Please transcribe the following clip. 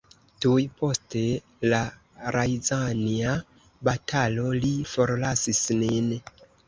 Tuj post la Rjazanja batalo li forlasis nin.